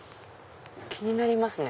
気になりますね。